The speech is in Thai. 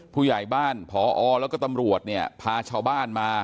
ผู้ใหญ่บ้านผอแล้วก็ตำรวจเนี่ยพาชาวบ้านมา